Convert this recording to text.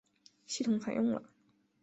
系统采用了。